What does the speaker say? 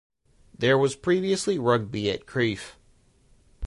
There was previously rugby at Crieff.